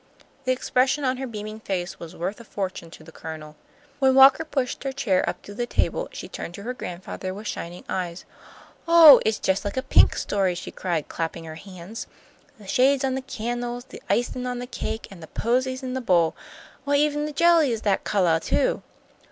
The expression on her beaming face was worth a fortune to the Colonel. When Walker pushed her chair up to the table, she turned to her grandfather with shining eyes. "Oh, it's just like a pink story," she cried, clapping her hands. "The shades on the can'les, the icin' on the cake, an' the posies in the bowl, why, even the jelly is that colah, too.